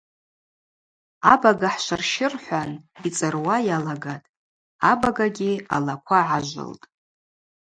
Абага хӏшвырщы, – рхӏван йцӏыруа йалагатӏ, абагагьи алаква гӏажвылтӏ.